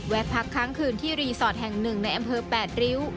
พักค้างคืนที่รีสอร์ทแห่ง๑ในอำเภอ๘ริ้ว